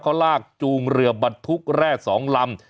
เขาลากจูงเรือบัตตุ๊กแรก๒รำ